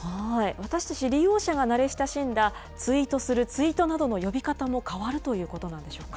私たち利用者が慣れ親しんだ、ツイートする、ツイートなどの呼び方も変わるということなんでしょうか。